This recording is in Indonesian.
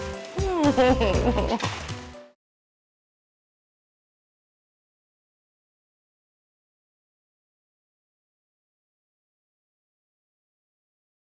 sesuai dengan privileged